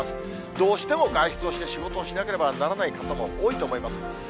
どうしても外出をして、仕事をしなければならない方も多いと思います。